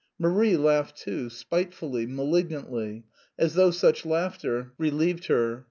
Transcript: Marie laughed too, spitefully, malignantly, as though such laughter relieved her.